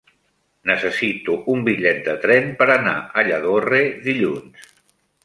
Necessito un bitllet de tren per anar a Lladorre dilluns.